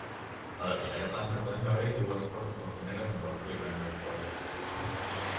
A la primera planta podem veure-hi dues portes balconeres amb balcó i barana de forja.